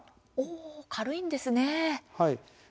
軽いんですね。